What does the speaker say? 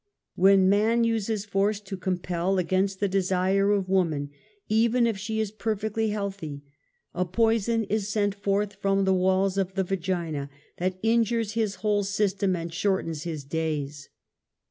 When man uses force to compel against the desire of woman, even if she is perfectly healthy, a poison is sent forth from the walls of the vagina that injures his whole system, and shortens his days.